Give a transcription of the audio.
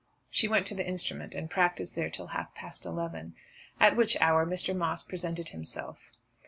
'" She went to the instrument, and practised there till half past eleven, at which hour Mr. Moss presented himself.